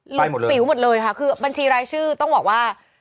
หลุดปิ๋วหมดเลยค่ะคือบัญชีรายชื่อต้องบอกว่า